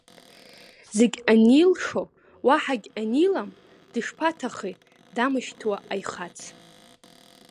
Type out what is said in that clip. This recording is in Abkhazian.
Зегь анилшо, уаҳагь анилам, дышԥаҭахеи дамышьҭуа аихац.